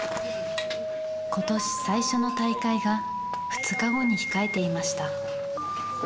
今年最初の大会が２日後に控えていました。